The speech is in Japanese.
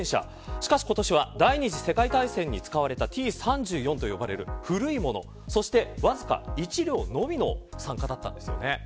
しかし今年は第２次世界大戦に使われたＴ−３４と呼ばれる古いもの、そしてわずか１両のみの参加だったんですよね。